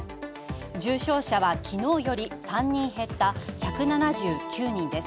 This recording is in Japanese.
重症者は昨日より３人減った１７９人です。